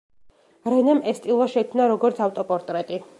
რენემ ეს ტილო შექმნა როგორც ავტოპორტრეტი.